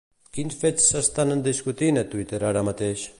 Quins fets s'estan discutint a Twitter ara mateix?